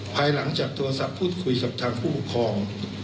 ภายหลังจากโทรศัพท์พูดคุยกับทางผู้ปกครอง